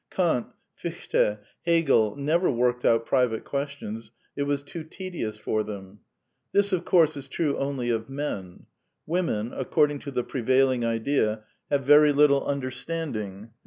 Kant, Fichte, Hegel, never worked out private questions ; it was too tedious for tliem. This, of course, is true only of men ; women, according to ( the prevailing idea, have very little understanding.